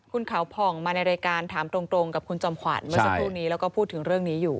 คุณขาวผ่องมาในรายการถามตรงกับคุณจอมขวัญเมื่อสักครู่นี้แล้วก็พูดถึงเรื่องนี้อยู่